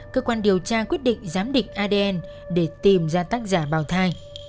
cơ quan điều tra quyết định giám địch adn để tìm ra tác giả bào thai